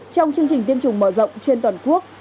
trong chương trình tiêm chủng mở rộng trên toàn quốc